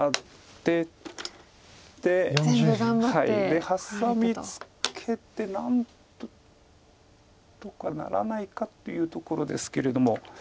でハサミツケて何とかならないかっていうところですけれども。